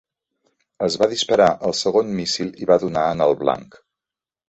Es va disparar el segon míssil i va donar en el blanc.